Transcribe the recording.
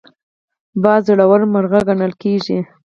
باز زړور مرغه ګڼل کېږي